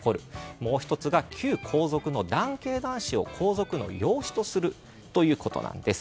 もう１つが旧皇族の男系・男子を皇族の養子とすること。